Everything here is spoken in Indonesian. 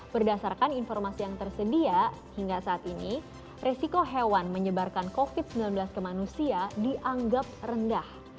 berdasarkan informasi yang tersedia hingga saat ini resiko hewan menyebarkan covid sembilan belas ke manusia dianggap rendah